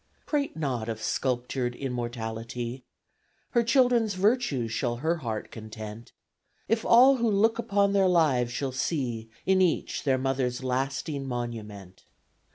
Prate not of sculptur'd immortality Her children's virtues shall her heart content If all who look upon their lives shall see In each their Mother's lasting monument.